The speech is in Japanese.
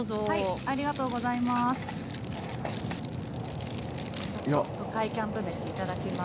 ありがとうございます。